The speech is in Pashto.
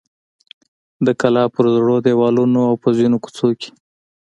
د کلا پر زړو دیوالونو او په ځینو کوڅو کې.